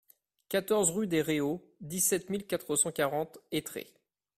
quatorze rue des Réaux, dix-sept mille quatre cent quarante Aytré